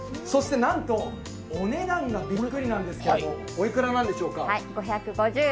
なんと、お値段がびっくりなんですけれどもおいくらなんですか？